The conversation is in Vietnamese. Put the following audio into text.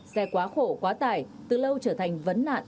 xe quá khổ quá tải từ lâu trở thành vấn nạn